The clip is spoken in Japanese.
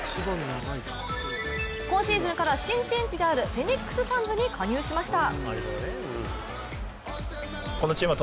今シーズンから新天地であるフェニックス・サンズに加入しました。